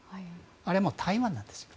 あれはもう台湾なんですよ。